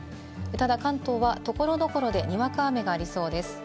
ただ関東は所々でにわか雨がありそうです。